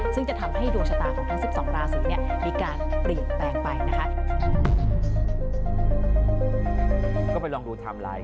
ซึ่งจะทำให้ดวงชะตาของทั้ง๑๒ราศีเนี่ยมีการเปลี่ยนแปลงไปนะคะ